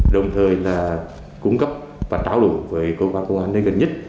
đồng thời là cung cấp và trao đổi với cơ quan công an nơi gần nhất